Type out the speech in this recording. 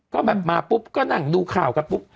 ก็แบบมาปุ๊บก็นั่งดูข่าวกันปุ๊บ